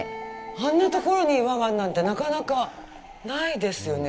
あんなところに岩があるなんてなかなかないですよね。